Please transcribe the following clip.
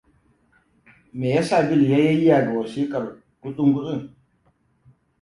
Me yasa Bill ya yayyaga wasikar gutsun-gutsun?